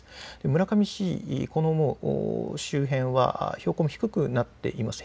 村上市、この周辺は標高も低くなっています。